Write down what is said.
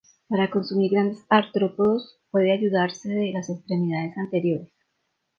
Para consumir grandes artrópodos suele ayudarse de las extremidades anteriores.